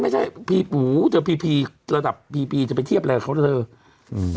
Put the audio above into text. ไม่ใช่ภีร์ปูเจอปรับปีปีจะไปเทียบแรกกับเค้าซะเถอะ